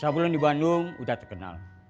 tiga bulan di bandung udah terkenal